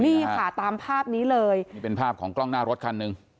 นี่ค่ะตามภาพนี้เลยนี่เป็นภาพของกล้องหน้ารถคันหนึ่ง